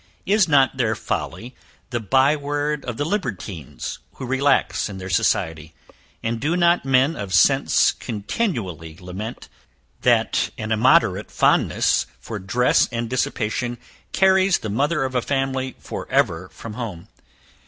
Is not their folly the by word of the libertines, who relax in their society; and do not men of sense continually lament, that an immoderate fondness for dress and dissipation carries the mother of a family for ever from home?